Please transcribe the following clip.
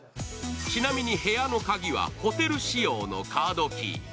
ちなみに部屋の鍵はホテル仕様のカードキー。